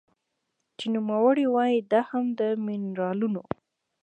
چې نوموړې وايي دا هم د مېنرالونو